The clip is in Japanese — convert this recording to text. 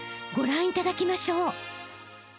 ［ご覧いただきましょう］